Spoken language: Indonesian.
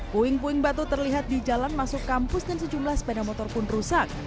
puing puing batu terlihat di jalan masuk kampus dan sejumlah sepeda motor pun rusak